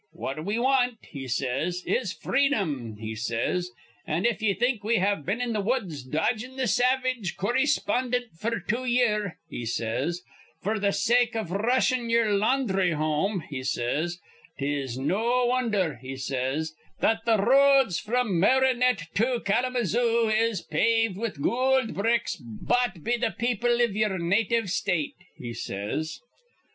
'What we want,' he says, 'is freedom,' he says; 'an', if ye think we have been in th' woods dodgin' th' savage corryspondint f'r two year,' he says, 'f'r th' sake iv r rushin' yer laundhry home,' he says, ''tis no wondher,' he says, 'that th' r roads fr'm Marinette to Kalamazoo is paved with goold bricks bought be th' people iv ye'er native State,' he says.